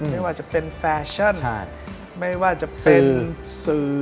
ไม่ว่าจะเป็นแฟชั่นไม่ว่าจะเป็นสื่อ